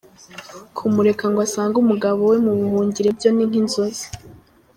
Kumureka ngo asange umugabo we mu buhungiro byo ni nk’inzozi!